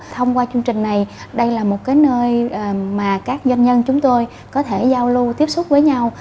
thông qua chương trình này đây là một nơi mà các doanh nhân chúng tôi có thể giao lưu tiếp xúc với nhau